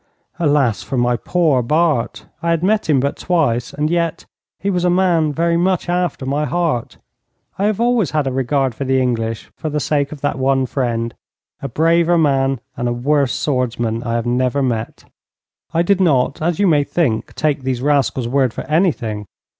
Alas for my poor Bart! I had met him but twice, and yet he was a man very much after my heart. I have always had a regard for the English for the sake of that one friend. A braver man and a worse swordsman I have never met. I did not, as you may think, take these rascals' word for anything.